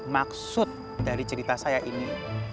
maksud dari cerita saya ini